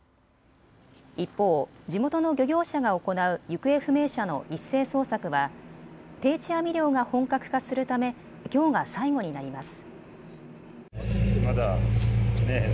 一方、地元の漁業者が行う行方不明者の一斉捜索は定置網漁が本格化するためきょうが最後になります。